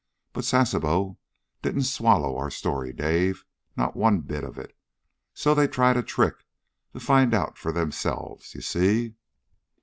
But Sasebo didn't swallow our story, Dave. Not one bit of it. So they tried a trick to find out for themselves. You see?"